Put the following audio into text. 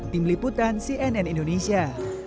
tim liputan cnn indonesia